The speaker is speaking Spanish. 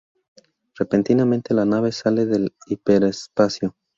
Repentinamente, la nave sale del hiperespacio.